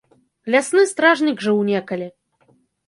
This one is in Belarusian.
Лясны стражнік жыў некалі.